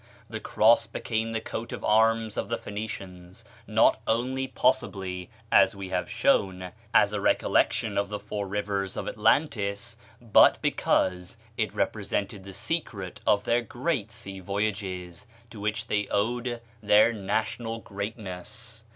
The cross became the coat of arms of the Phoenicians not only, possibly, as we have shown, as a recollection of the four rivers of Atlantis, but because it represented the secret of their great sea voyages, to which they owed their national greatness.